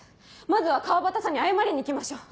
まずは川端さんに謝りに行きましょう。